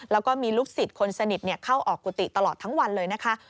แล้วก็มีลูกศิษย์คนสนิทเข้าออกกุฏิตลอดทั้งวันเลยนะคะ